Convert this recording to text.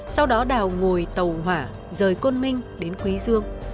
sau đó đào ngồi tàu hỏa rời côn minh đến quý dương